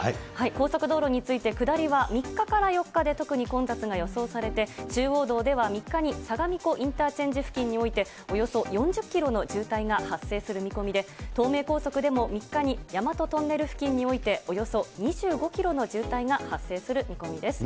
高速道路について、下りは３日から４日で特に混雑が予想されて、中央道では３日に相模湖インターチェンジ付近においておよそ４０キロの渋滞が発生する見込みで、東名高速では３日に、大和トンネル付近において、およそ２５キロの渋滞が発生する見込みです。